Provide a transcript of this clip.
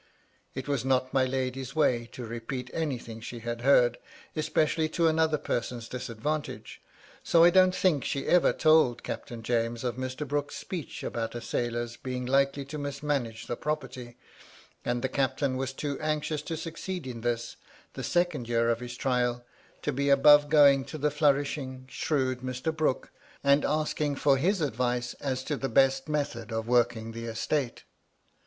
It was not my lady's way to repeat anything she had heard, especially to another person's disadvantage. So I don't think she ever told Captain James of Mr. Brooke's speech about a sailor's being likely to mis manage the property ; and the captain was too anxious to succeed in this, the second year of his trial, to be above going to the flourishing, shrewd Mr. Brooke, and asking for his advice as to the best method of working the estate.